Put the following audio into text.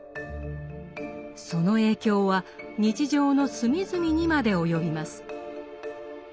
その影響は日常の隅々にまで及びます。